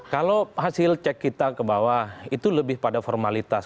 kalau hasil cek kita ke bawah itu lebih pada formalitas